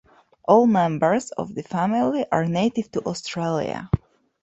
All members of the family are native to Australia.